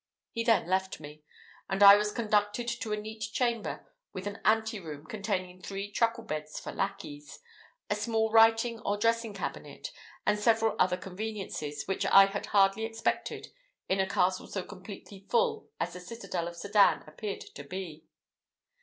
He then left me, and I was conducted to a neat chamber with an anteroom, containing three truckle beds for lackeys, a small writing or dressing cabinet, and several other conveniences, which I had hardly expected in a castle so completely full as the citadel of Sedan appeared to be.